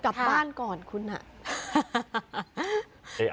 กลับบ้านก่อนคุณอ่ะ